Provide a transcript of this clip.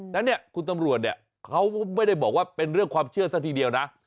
แล้วเนี่ยคุณตำรวจเนี่ยเขาไม่ได้บอกว่าเป็นเรื่องความเชื่อซะทีเดียวนะ